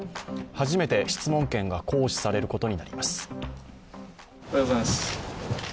初めて質問権が行使されることになります。